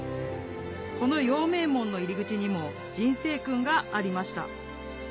この陽明門の入り口にも人生訓がありました